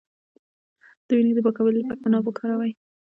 د وینې د پاکوالي لپاره عناب وکاروئ